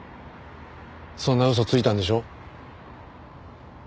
そんな嘘ついたんでしょ？